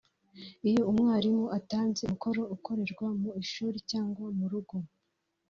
Iyo Umwarimu atanze umukoro ukorerwa mu ishuri cyangwa mu rugo